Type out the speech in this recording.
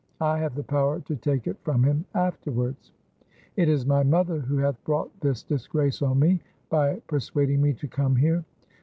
I have the power to take it from him afterwards. It is my mother who hath brought this disgrace on me by persuading me to come here.'